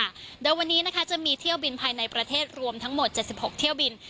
โดยวันนี้นะคะจะมีเที่ยวบินภายในประเทศรวมทั้งหมด๗๖เที่ยวบิน